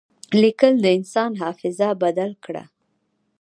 لیکل د انسان حافظه بدل کړه.